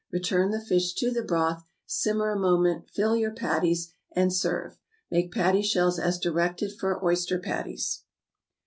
Return the fish to the broth, simmer a moment, fill your patties, and serve; make patty shells as directed for oyster patties.